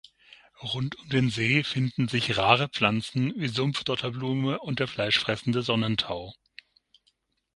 Rund um den See finden sich rare Pflanzen wie Sumpf-Dotterblume und der fleischfressende Sonnentau.